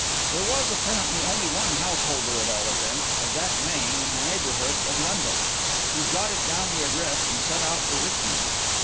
There was, apparently, only one householder at all events of that name in the neighbourhood of London. He jotted down the address and set out for Richmond.